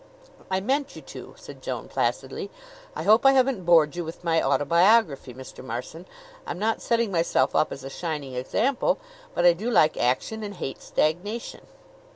"I meant you to," said Joan placidly. "I hope I haven't bored you with my autobiography, Mr. Marson. I'm not setting myself up as a shining example; but I do like action and hate stagnation."